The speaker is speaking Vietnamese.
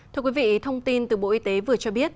thưa quý vị thông tin từ bộ y tế vừa cho biết